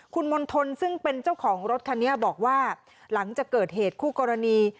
คุณมณฑลซึ่งเป็นเจ้าของรถคันนี้บอกว่าหลังจากเกิดเหตุคู่กรณี